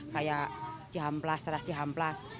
kayak cihamplas teras cihamplas